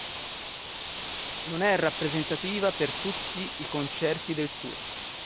Non è rappresentativa per tutti i concerti del tour.